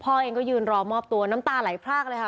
พ่อเองก็ยืนรอมอบตัวน้ำตาไหลพรากเลยค่ะ